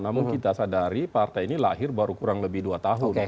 namun kita sadari partai ini lahir baru kurang lebih dua tahun